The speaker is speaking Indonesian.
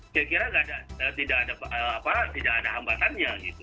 saya kira tidak ada hambatannya gitu